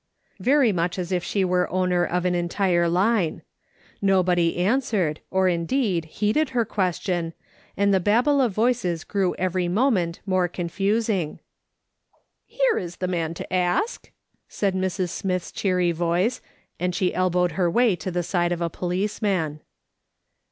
very much as if she were owner of an entire line. Nobody, answered, or indeed, heeded her question, and the babel of voices grew every moment more confusing. " Here is the man to ask," said Mrs. Smith's cheery voice, and she elbowed her way to the side of a policeman.